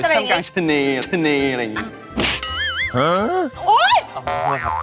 เอาใหม่ซิลอง